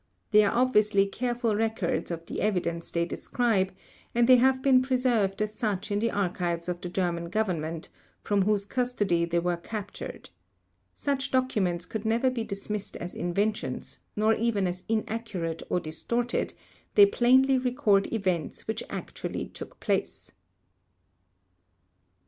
They are obviously careful records of the events they describe, and they have been preserved as such in the archives of the German Government, from whose custody they were captured. Such documents could never be dismissed as inventions, nor even as inaccurate or distorted; they plainly record events which actually took place.